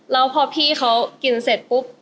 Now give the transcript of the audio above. แล้วพอพี่เขากินเสร็จปุ๊บ